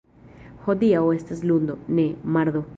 Hodiaŭ estas lundo, ne, mardo.